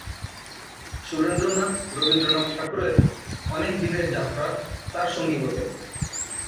সুরেন্দ্রনাথ রবীন্দ্রনাথ ঠাকুরের অনেক বিদেশ যাত্রার তার সঙ্গী হতেন।